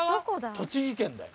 栃木県だよ。